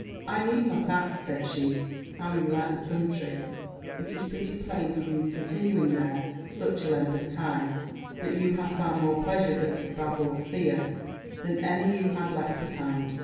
'I need not ask,' said she, 'how you liked the country; it is pretty plain, from your continuing there such a length of time, that you found more pleasures at Sir Bazil's seat than any you had left behind.'